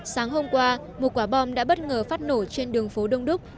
sáng hôm qua một quả bom đã bất ngờ phát nổ trên đường phố đông đúc